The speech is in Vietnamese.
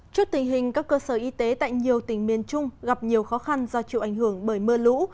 trước tình hình các cơ sở y tế tại nhiều tỉnh miền trung gặp nhiều khó khăn do chịu ảnh hưởng bởi mưa lũ